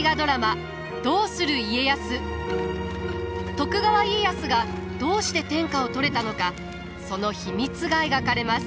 徳川家康がどうして天下を取れたのかその秘密が描かれます。